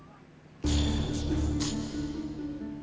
jangan mencari jalan pulang